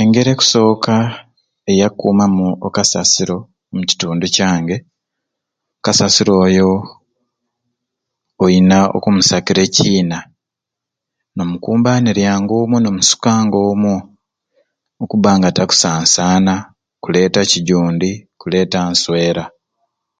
Engeri ekusoka eya kukumamu okasasiro omu kitundu kyange okasasiro oyo oyina okumusakira ekyina nomukumbaniryanga omwo nomusukanga omwo okubanga takusasaana keleta kyijundi kuleta nswera